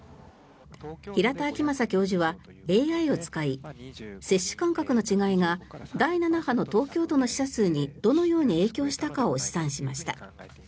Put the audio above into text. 平田晃正教授はＡＩを使い接種間隔の違いが第７波の東京都の死者数にどのように影響したかを試算しました。